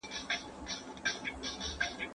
نه ټګي د مولویانو نه بدمرغه واسکټونه